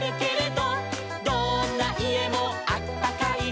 「どんないえもあったかい」